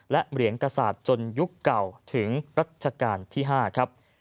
และเหรียญกษาปจนยุคเก่าถึงรัชกาลที่๕ครับ